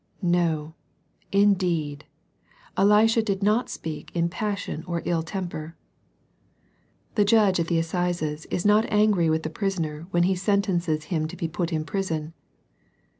No, indeed ! Elisha did not speak in passion or ill temper. The Judge at the Assizes is not angry with the prisoner when he sentences him to be put in prison.